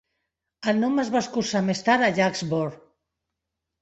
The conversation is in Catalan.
El nom es va escurçar més tard a Jacksboro.